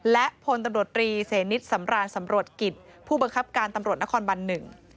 และพลตำรวจรีเสนิทสำรานสำรวจกิจผู้บังคับการตำรวจนครบันหนึ่ง